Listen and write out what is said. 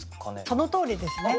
そのとおりですね。